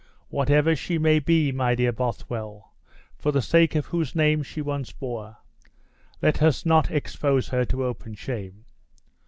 Whatever she may be, my dear Bothwell, for the sake of whose name she once bore, let us not expose her to open shame.